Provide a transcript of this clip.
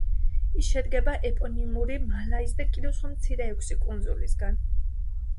ის შედგება ეპონიმური მალაის და კიდევ სხვა მცირე ექვსი კუნძულისგან.